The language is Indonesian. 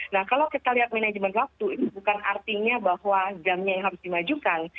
nah kalau kita lihat manajemen waktu itu bukan artinya bahwa jamnya yang harus dimajukan